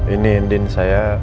ini indin saya